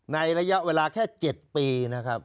ในระยะเวลาแค่๗ปีนะครับ